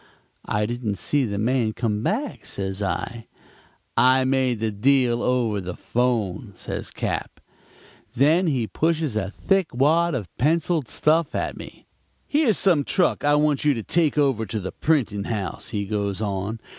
"'I didn't see the man come back,' says I. "'I made the deal over the 'phone,' says Cap. Then he pushes a thick wad of penciled stuff at me. 'Here's some truck I want you to take over to the printing house,' he goes on.